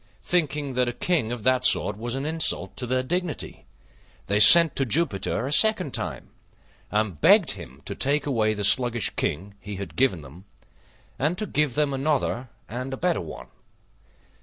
Thinking that a King of that sort was an insult to their dignity, they sent to Jupiter a second time, and begged him to take away the sluggish King he had given them, and to give them another and a better one.